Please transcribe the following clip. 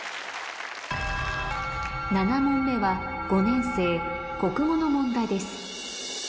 ７問目は５年生国語の問題です